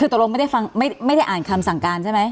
คือตรงไม่ได้อ่านคำสั่งการใช่ไหม